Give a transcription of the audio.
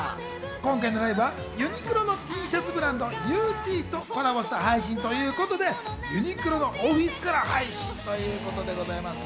今回のライブはユニクロのＴシャツブランド、ＵＴとコラボした配信ということで、ユニクロのオフィスから配信ということでございます。